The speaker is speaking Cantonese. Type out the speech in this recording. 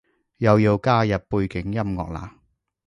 又要加入背景音樂喇？